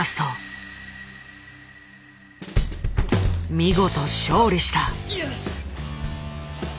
見事勝利した！